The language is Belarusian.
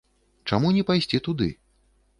Чаму не пайсці туды?